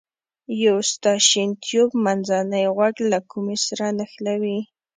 یو ستاشین تیوب منځنی غوږ له کومې سره نښلوي.